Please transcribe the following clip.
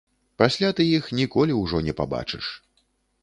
Пасля ты іх ніколі ўжо не пабачыш.